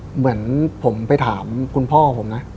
เหมือนผมไปถามคุณพ่อผมนะ